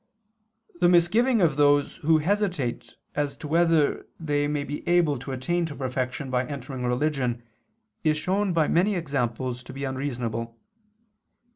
The misgiving of those who hesitate as to whether they may be able to attain to perfection by entering religion is shown by many examples to be unreasonable.